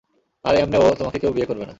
আর এমনে ও, তোমাকে কেউ বিয়ে করবে না।